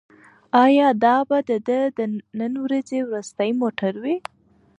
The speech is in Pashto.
ایا دا به د ده د نن ورځې وروستی موټر وي؟